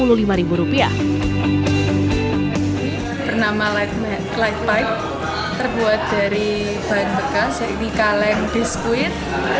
bernama light pipe terbuat dari bahan bekas yaitu kaleng biskuit